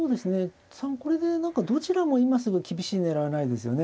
これで何かどちらも今すぐ厳しい狙いはないですよね。